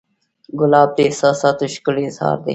ګلاب د احساساتو ښکلی اظهار دی.